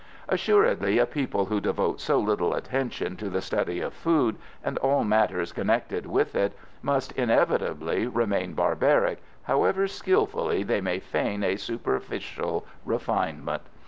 Assuredly a people who devote so little attention to the study of food, and all matters connected with it, must inevitably remain barbaric, however skilfully they may feign a superficial refinement.